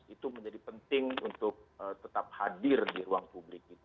itu menjadi penting untuk tetap hadir di ruang publik